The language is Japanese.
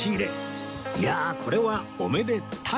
いやあこれはおめでタイ！